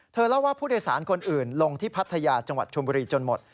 เล่าว่าผู้โดยสารคนอื่นลงที่พัทยาจังหวัดชมบุรีจนหมด